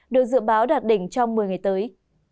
được dự báo đạt đỉnh trong một mươi ngày tới